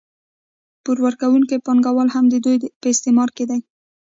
پور ورکوونکي پانګوال هم د دوی په استثمار کې دي